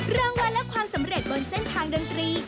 รางวัลและความสำเร็จบนเส้นทางดนตรี